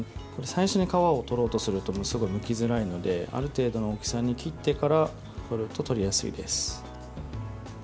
最初に皮を取ろうとするとすごいむきづらいのである程度の大きさに切ってから取ると取りやすいです。